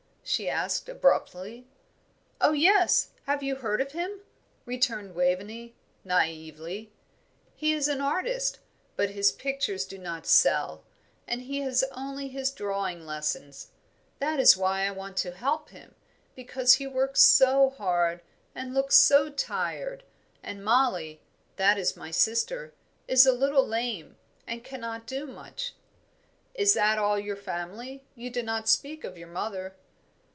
she asked, abruptly. "Oh, yes, have you heard of him?" returned Waveney, naively. "He is an artist, but his pictures do not sell, and he has only his drawing lessons. That is why I want to help him, because he works so hard and looks so tired; and Mollie that is my sister is a little lame, and cannot do much." "Is that all your family? You do not speak of your mother."